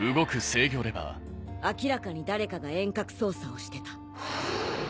明らかに誰かが遠隔操作をしてた。